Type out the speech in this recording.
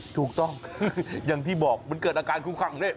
ถูกต้องอย่างที่บอกมันเกิดอาการคุ้มข้างของนี่